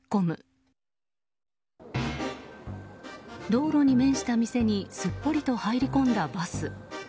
道路に面した店にすっぽりと入り込んだバス。